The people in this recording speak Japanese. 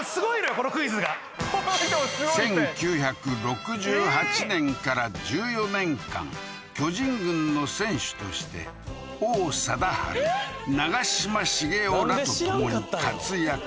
このクイズが１９６８年から１４年間巨人軍の選手として王貞治・長嶋茂雄らと共に活躍